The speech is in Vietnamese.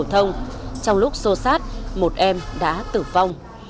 và học phổ thông trong lúc xô xát một em đã tử vong